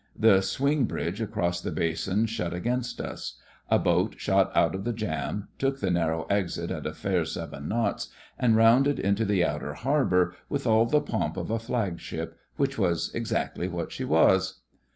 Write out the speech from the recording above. The swing bridge across the basin shut against us. A boat shot out of the jam, took the narrow exit at a fair seven knots and rounded into the outer harbour with all the pomp of a flagship, which was exactly what she was.